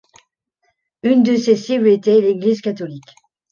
Une de ses cibles était l'Église catholique.